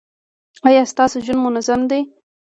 ایا ستاسو ژوند منظم دی؟